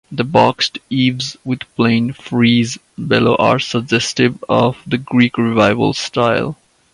The boxed eaves with plain frieze below are suggestive of the Greek Revival style.